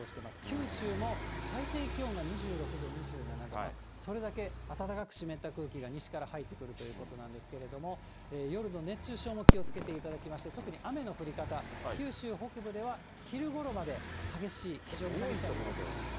九州も最低気温が２６度、２７度で、それだけ暖かく湿った空気が西から入ってくるということなんですけれども、夜の熱中症も気をつけていただきまして、特に雨の降り方、九州北部では昼ごろまで激しい、非常に激しい雨のおそれがあります。